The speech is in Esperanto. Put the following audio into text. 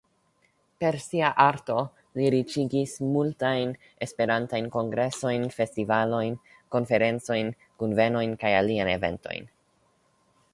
Per sia arto li riĉigis multajn Esperantajn kongresojn, festivalojn, konferencojn, kunvenojn kaj aliajn eventojn.